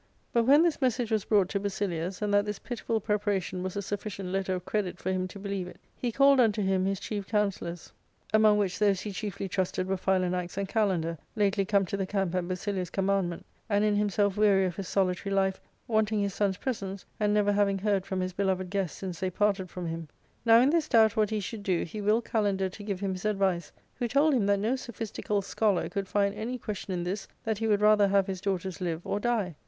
But when this message was brought to Basilius, and that this pitiful preparation was a sufficient letter of credit for him to believe it, he called unto him his chief counsellors, ♦ Their yielding —/.^., that of Pamela and Philoclea« 336 ARCADIA.— Book III. among which those he chiefly trusted were Philanax and Kalander, lately come to the camp at Basilius' command ment, and in himself weary of his solitary life, wanting his son's presence, and never having heard from his beloved guests since they parted from him. Now in this doubt what he should do he willed Kalander to give him his advice, who told him that no sophistical scholar could find any question in this, that he would rather have his daughters live or die.